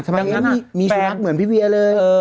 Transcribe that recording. มันมีสุนัขเหมือนพี่เวียเลย